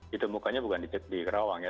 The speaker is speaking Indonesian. ditemukannya bukan di kerawang ya